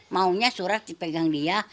maunya surat dipegang dia